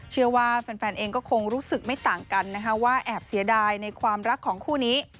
เชื่อว่าแฟนเองก็คงรู้สึกไม่ต่างกันนะคะว่าแอบเสียดายในความรักของคู่นี้